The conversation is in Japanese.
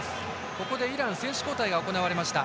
ここでイラン選手交代が行われました。